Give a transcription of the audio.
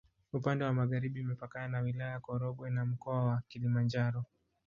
Upande wa magharibi imepakana na Wilaya ya Korogwe na Mkoa wa Kilimanjaro.